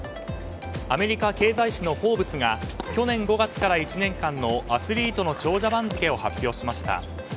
アメリカ経済誌の「フォーブス」が去年５月から１年間のアスリートの長者番付を発表しました。